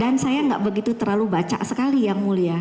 dan saya gak begitu terlalu baca sekali yang mulia